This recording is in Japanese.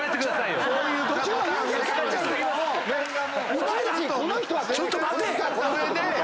お前らちょっと待て！